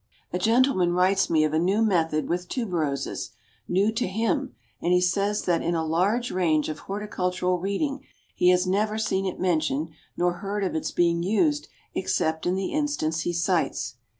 A gentleman writes me of a new method with Tuberoses; new to him, and he says that in a large range of horticultural reading he has never seen it mentioned nor heard of its being used except in the instance he cites.